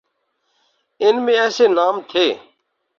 ان میں ایسے نام تھے۔